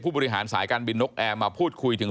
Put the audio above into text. บริหารสายการบินนกแอร์มาพูดคุยถึง